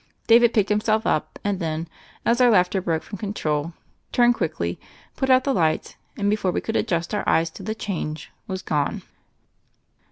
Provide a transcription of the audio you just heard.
David picked himself up, and then, as our laughter broke from control, turned quickly, put out the light, and, before we could adjust our eyes to the change, was gone.